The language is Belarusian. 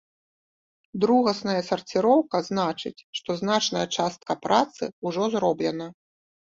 Другасная сарціроўка значыць, што значная частка працы ўжо зроблена.